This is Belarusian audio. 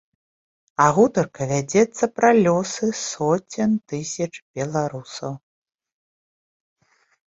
А гутарка вядзецца пра лёсы соцень тысяч беларусаў.